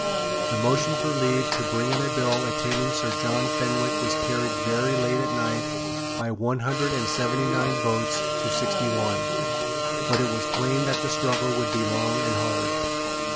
The motion for leave to bring in a bill attainting Sir John Fenwick was carried very late at night by one hundred and seventy nine votes to sixty one; but it was plain that the struggle would be long and hard.